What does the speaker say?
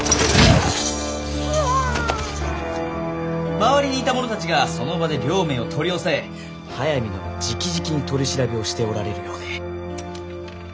周りにいた者たちがその場で両名を取り押さえ速水殿じきじきに取り調べをしておられるようで。